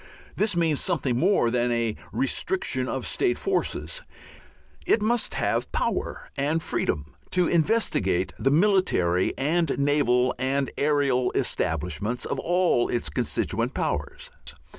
This means something more than a restriction of state forces. It must have power and freedom to investigate the military and naval and aerial establishments of all its constituent powers.